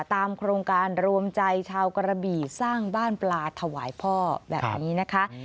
ตามโครงการรวมใจชาวกระบี่สร้างบ้านปลาถวายพ่อแบบนี้นะคะ